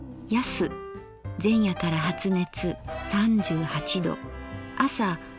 恭前夜から発熱３８度朝７．３度。